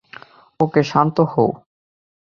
ওকে, শান্ত হও।